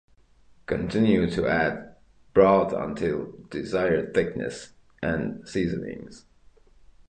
Continue to add broth until desired thickness. Add seasonings.